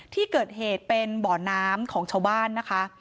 ที่เกิดเหตุเป็นบ่อน้ำของชาวบ้านนะคะ